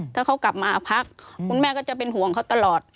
ถ้าเขากลับมาพักคุณแม่ก็จะเป็นห่วงเขาตลอด